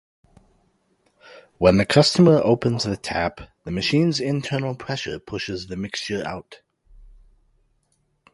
When the customer opens the tap, the machine's internal pressure pushes the mixture out.